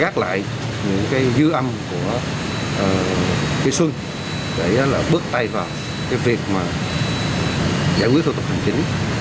gác lại những dư âm của cái xuân để bước tay vào việc giải quyết thủ tục hành chính